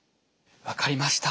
分かりました。